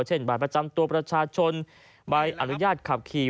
บัตรประจำตัวประชาชนใบอนุญาตขับขี่